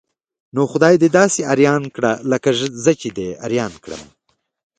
نو خولي ده داسې اریان کړه لکه زه چې اریان کړم.